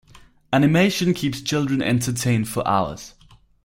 Animation keeps children entertained for hours.